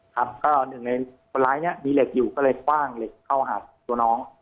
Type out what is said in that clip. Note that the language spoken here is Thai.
ครับก็หนึ่งในคนร้ายเนี่ยมีเหล็กอยู่ก็เลยคว่างเหล็กเข้าหาตัวน้อง